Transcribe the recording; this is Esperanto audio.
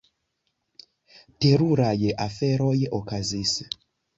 Teruraj aferoj okazis.